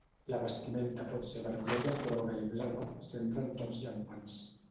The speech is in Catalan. La vestimenta pot ser vermella, groga i blava; sempre en tons llampants.